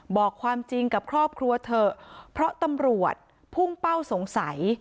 บอกความจริงกับครอบครัวเถอะเพราะตำรวจพุ่งเป้าสงสัย